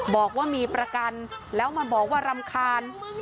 บอกว่ามีประกันแล้วมาบอกว่ารำคาญ